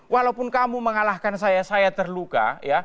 walaupun kamu mengalahkan saya saya terluka